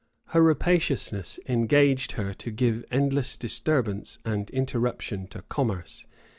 Her rapaciousness engaged her to give endless disturbance and interruption to commerce.